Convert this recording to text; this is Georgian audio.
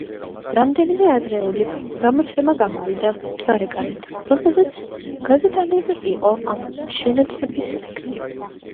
რამდენიმე ადრეული გამოცემა გამოვიდა გარეკანით, რომელზეც გადატანილი იყო ამ შენადნობის ეფექტი.